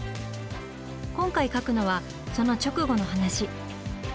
今回描くのはその直後の話。